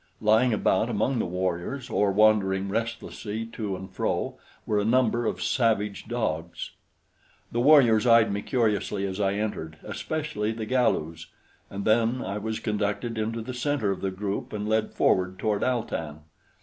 Lying about among the warriors or wandering restlessly to and fro were a number of savage dogs. The warriors eyed me curiously as I entered, especially the Galus, and then I was conducted into the center of the group and led forward toward Al tan.